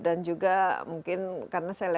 dan juga mungkin karena saya lebih muda